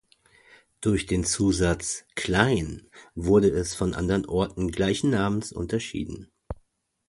Durch den Zusatz "Klein-" wurde es von anderen Orten gleichen Namens unterschieden.